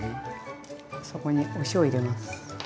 そこにお塩を入れます。